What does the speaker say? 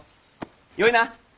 よいな？